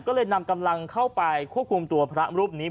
ก็เลยนำกำลังเข้าไปควบคุมตัวพระรูปนี้